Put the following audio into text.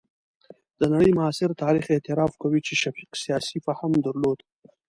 د نړۍ معاصر تاریخ اعتراف کوي چې شفیق سیاسي فهم درلود.